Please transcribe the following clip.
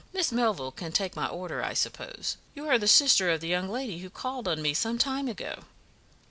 "Miss Melville can take my order, I suppose? You are the sister of the young lady who called on me some time ago?"